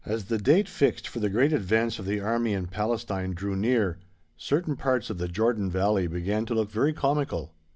As the date fixed for the great advance of the Army in Palestine drew near, certain parts of the Jordan Valley began to look very comical.